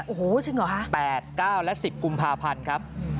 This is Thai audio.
โอ้โหจริงเหรอคะ๘๙และ๑๐กุมภาพันธ์ครับ